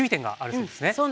そうなんですね。